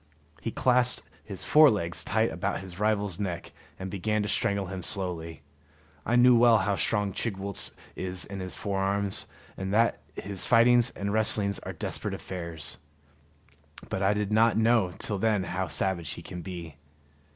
He clasped his fore legs tight about his rival's neck and began to strangle him slowly. I knew well how strong Chigwooltz is in his forearms, and that his fightings and wrestlings are desperate affairs; but I did not know till then how savage he can be.